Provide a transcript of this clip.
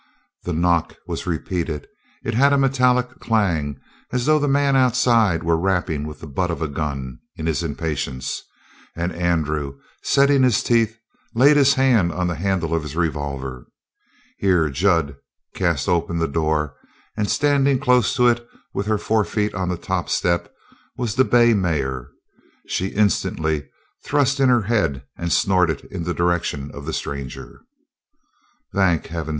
The knock was repeated; it had a metallic clang, as though the man outside were rapping with the butt of a gun in his impatience, and Andrew, setting his teeth, laid his hand on the handle of his revolver. Here Jud cast open the door, and, standing close to it with her forefeet on the top step, was the bay mare. She instantly thrust in her head and snorted in the direction of the stranger. "Thank heaven!"